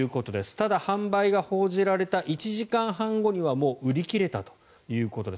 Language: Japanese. ただ、販売が報じられた１時間半後にはもう売り切れたということです。